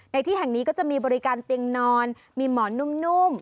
ที่แห่งนี้ก็จะมีบริการเตียงนอนมีหมอนนุ่ม